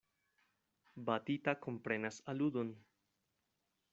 Batita komprenas aludon.